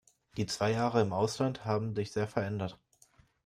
Die zwei Jahre im Ausland haben dich sehr verändert.